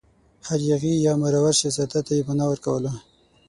هر یاغي یا مرور شهزاده ته یې پناه ورکوله.